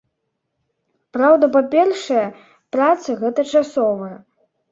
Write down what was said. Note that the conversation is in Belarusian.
Праўда, па-першае, праца гэта часовая.